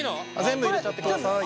全部入れちゃってください。